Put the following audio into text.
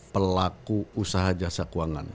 pelaku usaha jasa keuangan